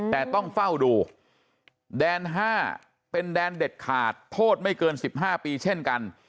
แต่ต้องเฝ้าดูแดน๕เป็นแดนเด็ดขาดโทษไม่เกิน๑๕ปีเช่นกัน